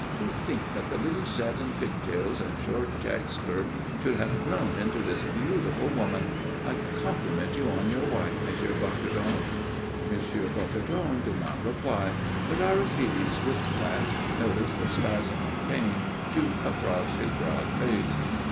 "To think that the little Zette in pigtails and short check skirt should have grown into this beautiful woman! I compliment you on your wife, M. Bocardon." M. Bocardon did not reply, but Aristide's swift glance noticed a spasm of pain shoot across his broad face.